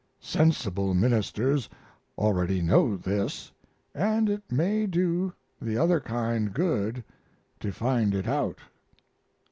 Sensible ministers already know this, and it may do the other kind good to find it out.